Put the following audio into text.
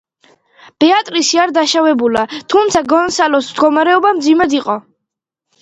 ბეატრისი არ დაშავებულა, თუმცა გონსალოს მდგომარეობა მძიმედ იყო.